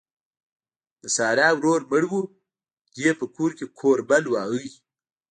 د سارا ورور مړ وو؛ دې په کور کې کوربل واهه.